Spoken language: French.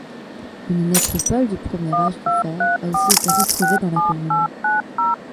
Une nécropole du Premier Âge du Fer a aussi été retrouvée dans la commune.